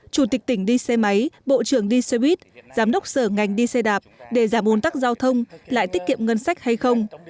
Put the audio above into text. chủ tịch tỉnh đi xe máy bộ trưởng đi xe buýt giám đốc sở ngành đi xe đạp để giảm ồn tắc giao thông lại tiết kiệm ngân sách hay không